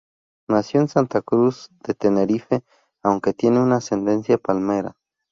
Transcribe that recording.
Nació en Santa Cruz de Tenerife, aunque tiene ascendencia palmera.